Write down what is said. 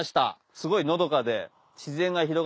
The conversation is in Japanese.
すごいのどかで。